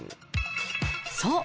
そう。